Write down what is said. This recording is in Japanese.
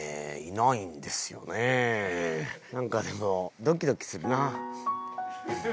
なんかでもドキドキするな。